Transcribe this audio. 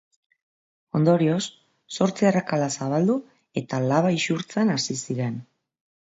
Ondorioz, zortzi arrakala zabaldu eta laba isurtzen hasi ziren.